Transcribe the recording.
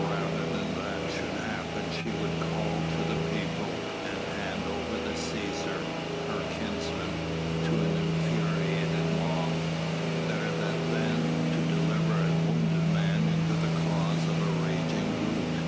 Rather than that should happen she would call to the people, and hand over the Cæsar her kinsman to an infuriated mob. Better that than to deliver a wounded man into the claws of a raging brute.